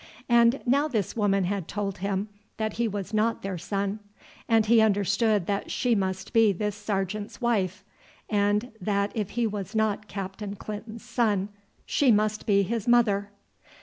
And now this woman had told him that he was not their son; and he understood that she must be this sergeant's wife, and that if he was not Captain Clinton's son she must be his mother.